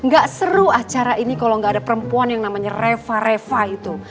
gak seru acara ini kalau nggak ada perempuan yang namanya reva reva itu